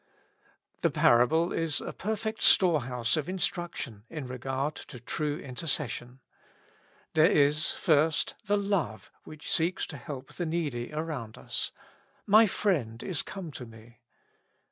The parable is a perfect storehouse of instruction in regard to true intercession. There is, first, the love which seeks to help the needy around us :" ;«_y friend is come to me."